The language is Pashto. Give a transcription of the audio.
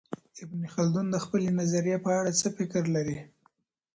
ابن خلدون د خپلې نظریې په اړه څه فکر لري؟